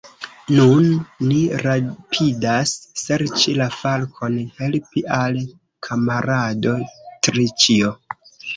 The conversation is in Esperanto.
Nun ni rapidas serĉi la falkon, helpi al kamarado Triĉjo.